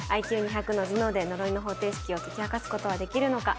ＩＱ２００の頭脳で呪いの方程式を解き明かすことはできるのか？